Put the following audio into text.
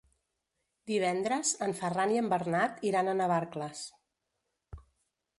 Divendres en Ferran i en Bernat iran a Navarcles.